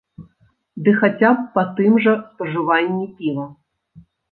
Ды хаця б па тым жа спажыванні піва.